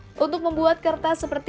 kita harus memiliki kertas yang berbentuk